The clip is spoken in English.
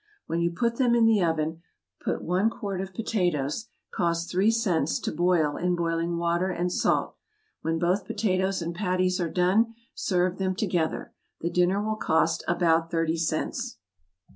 When you put them in the oven, put one quart of potatoes, (cost three cents,) to boil in boiling water and salt. When both potatoes and patties are done serve them together; the dinner will cost about thirty cents.